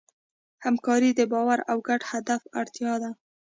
همکاري د باور او ګډ هدف اړتیا ده.